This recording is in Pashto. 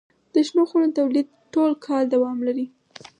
د شنو خونو تولید ټول کال دوام لري.